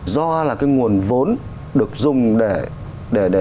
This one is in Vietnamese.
do là cái nguồn vốn được dùng để